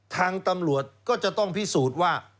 ทางตำรวจก็จะต้องพิสูจน์ว่า